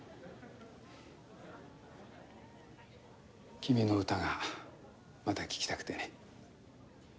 君の歌がまた聴きたくてね。